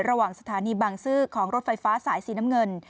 ระหว่างสถานีบางซื้อของรถไฟฟ้าสายสีน้ำเงิน